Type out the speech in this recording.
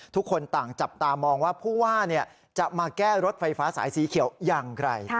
ทุกคนต่างจับตามองว่าผู้ว่าจะมาแก้รถไฟฟ้าสายสีเขียวอย่างไร